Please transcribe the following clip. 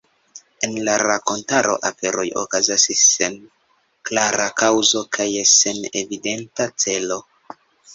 En la rakontaro aferoj okazas sen klara kaŭzo kaj sen evidenta celo.